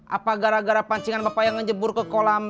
apa gara gara pancingan bapak yang ngejebur ke kolam